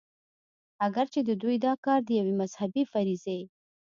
اګر چې د دوي دا کار د يوې مذهبي فريضې